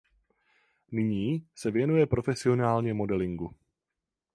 Nyní se věnuje profesionálně modelingu.